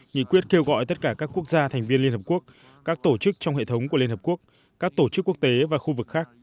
nghị quyết kêu gọi tất cả các quốc gia thành viên liên hợp quốc các tổ chức trong hệ thống của liên hợp quốc các tổ chức quốc tế và khu vực khác